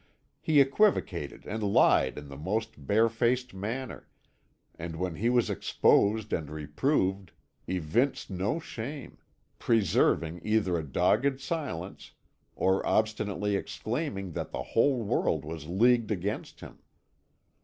He equivocated and lied in the most barefaced manner, and when he was exposed and reproved, evinced no shame preserving either a dogged silence, or obstinately exclaiming that the whole world was leagued against him.